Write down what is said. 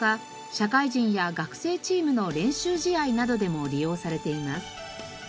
社会人や学生チームの練習試合などでも利用されています。